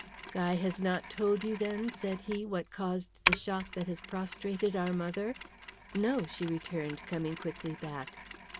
"Guy has not told you, then," said he, "what caused the shock that has prostrated our mother?" "No," she returned, coming quickly back.